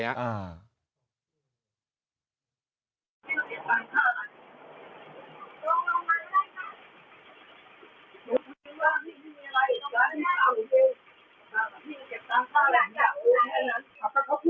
ขอบพระเขาพูดอยู่ว่าพี่เค้าบอกว่ามันจะพับสาม